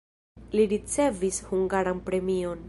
Li ricevis hungaran premion.